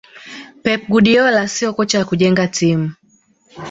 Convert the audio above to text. pep guardiola siyo kocha wa kujenga timu